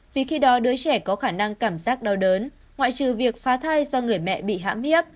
vì khi đó đứa trẻ có khả năng cảm giác đau đớn ngoại trừ việc phá thai do người mẹ bị hãm mía